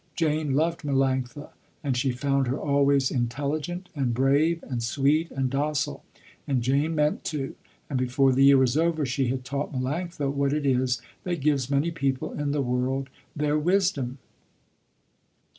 Jane loved Melanctha and she found her always intelligent and brave and sweet and docile, and Jane meant to, and before the year was over she had taught Melanctha what it is that gives many people in the world their wisdom.